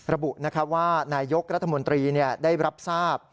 ระบุว่านายยกรัฐมนตรีได้รับทราบ